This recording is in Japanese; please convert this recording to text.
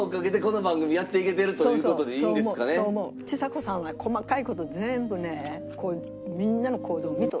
ちさ子さんは細かい事全部ねみんなの行動見とる。